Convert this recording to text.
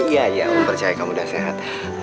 iya om percaya kamu udah sehat